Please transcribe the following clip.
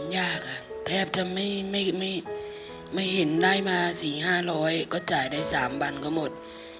ยากค่ะแทบจะไม่เห็นได้มา๔๕๐๐ก็จ่ายได้๓วันก็หมด